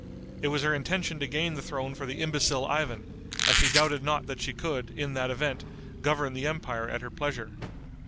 It was her intention to gain the throne for the imbecile Ivan, as she doubted not that she could, in that event, govern the empire at her pleasure.